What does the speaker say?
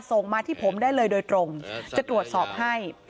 ส่งมาที่ผมได้เลยโดยตรงจะตรวจสอบให้